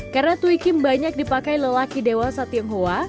karena tui kim banyak dipakai lelaki dewasa tionghoa